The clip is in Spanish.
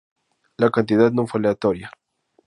La cantidad no fue aleatoria